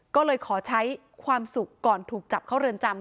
ก็เลยขอใช้ความสุขก่อนถูกจับเข้าเรือนจำ